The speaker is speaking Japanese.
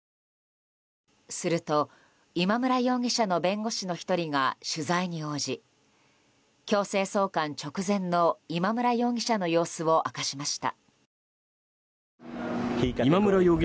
すると、今村容疑者の弁護士の１人が取材に応じ強制送還直前の今村容疑者の様子を明かしました。